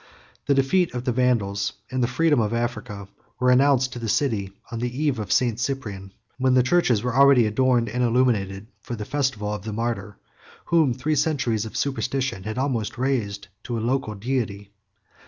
The defeat of the Vandals, and the freedom of Africa, were announced to the city on the eve of St. Cyprian, when the churches were already adorned and illuminated for the festival of the martyr whom three centuries of superstition had almost raised to a local deity.